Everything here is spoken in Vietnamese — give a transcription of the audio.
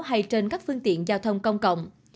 hay trên các phương tiện giao thông công cộng